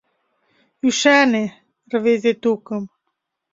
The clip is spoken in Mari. Ӱшане, рвезе тукым.